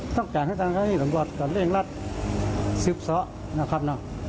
ต้องการทั้งตัวทางการที่สมบัติก่อนเล่งรัฐซึบเสานะครับ